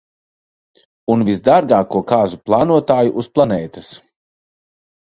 Un visdārgāko kāzu plānotāju uz planētas.